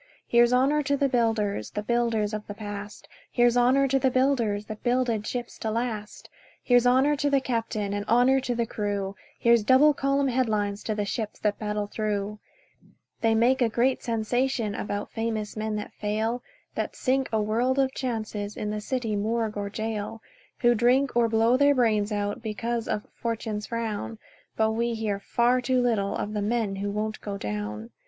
Here's honour to the builders – The builders of the past; Here's honour to the builders That builded ships to last; Here's honour to the captain, And honour to the crew; Here's double column headlines To the ships that battle through. They make a great sensation About famous men that fail, That sink a world of chances In the city morgue or gaol, Who drink, or blow their brains out, Because of "Fortune's frown". But we hear far too little Of the men who won't go down.